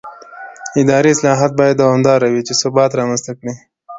اداري اصلاحات باید دوامداره وي چې ثبات رامنځته کړي